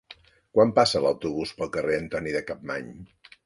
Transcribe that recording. Quan passa l'autobús pel carrer Antoni de Capmany?